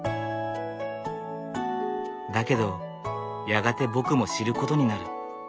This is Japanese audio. だけどやがて僕も知ることになる。